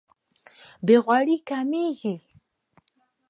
بې غوري کمېږي.